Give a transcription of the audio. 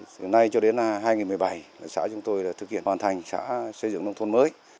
từ nay cho đến hai nghìn một mươi bảy xã chúng tôi đã thực hiện hoàn thành xã xây dựng nông thôn mới